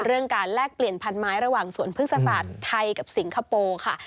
การแลกเปลี่ยนพันไม้ระหว่างสวนพฤกษศาสตร์ไทยกับสิงคโปร์ค่ะ